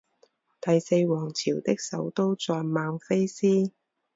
第四王朝的首都在孟菲斯。